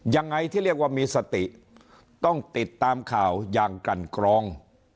ยังไงที่เรียกว่ามีสติต้องติดตามข่าวอย่างกันกรอง